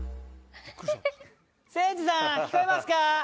・せいじさん聞こえますか？